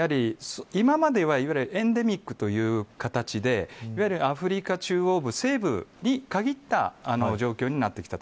今まではエンデミックという形でいわゆるアフリカ中央部西部に限った状況になっていた。